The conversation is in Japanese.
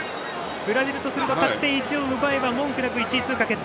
ブラジルとすると勝ち点１を取れば文句なく１位通過決定。